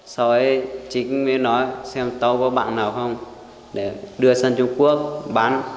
sau ấy chính mới nói xem tàu có bạn nào không để đưa sang trung quốc bán